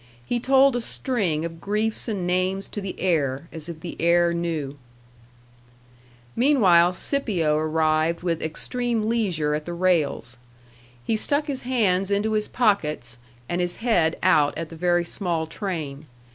He told a string of griefs and names to the air, as if the air knew. Meanwhile Scipio arrived with extreme leisure at the rails. He stuck his hands into his pockets and his head out at the very small train.